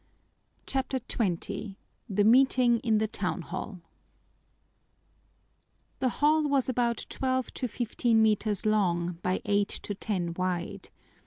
CHAPTER XX The Meeting in the Town Hall The hall was about twelve to fifteen meters long by eight to ten wide.